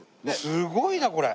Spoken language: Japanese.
すごいなこれ。